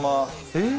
えっ？